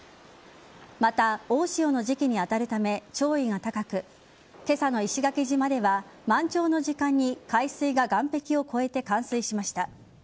また、大潮の時期に当たるため潮位が高く今朝の石垣島では、満潮の時間に海水が岸壁を越えて冠水しました。